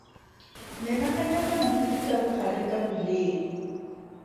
Menaganya pampiri ka bogare ka boleele.